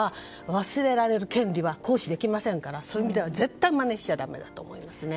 忘れられる権利は行使できませんからそういう意味では絶対まねしちゃだめだと思いますね。